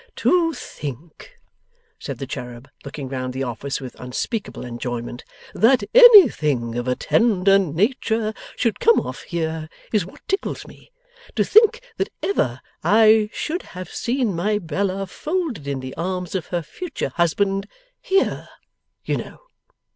'To think,' said the cherub, looking round the office with unspeakable enjoyment, 'that anything of a tender nature should come off here, is what tickles me. To think that ever I should have seen my Bella folded in the arms of her future husband, HERE, you know!